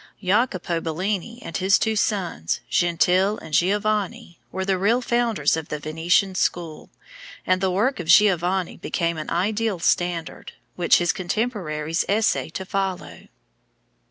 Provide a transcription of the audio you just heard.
Jacopo Bellini and his two sons, Gentile and Giovanni, were the real founders of the Venetian school, and the work of Giovanni became an ideal standard, which his contemporaries essayed to follow.